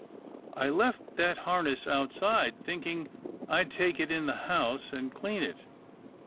I left that har ness outside, thinking I'd take it in the house and clean it.